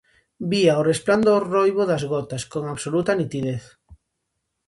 Vía o resplandor roibo das gotas con absoluta nitidez.